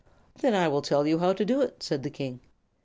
"Then I will tell you how to do it," said the King.